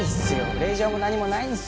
令状も何もないんすよ。